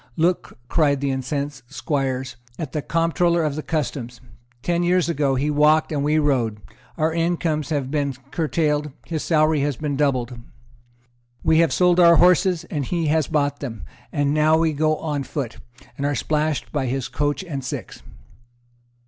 "Look," cried the incensed squires, "at the Comptroller of the Customs. Ten years ago, he walked, and we rode. Our incomes have been curtailed; his salary has been doubled; we have sold our horses; he has bought them; and now we go on foot, and are splashed by his coach and six."